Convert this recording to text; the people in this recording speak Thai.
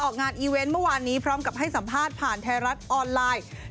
งานอีเวนต์เมื่อวานนี้พร้อมกับให้สัมภาษณ์ผ่านไทยรัฐออนไลน์